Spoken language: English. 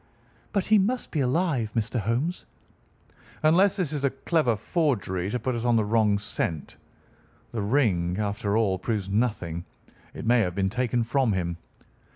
"But he must be alive, Mr. Holmes." "Unless this is a clever forgery to put us on the wrong scent. The ring, after all, proves nothing. It may have been taken from him."